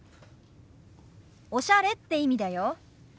「おしゃれ」って意味だよ。